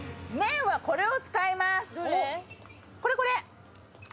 これこれ。